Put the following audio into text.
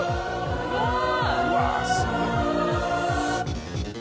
すごい！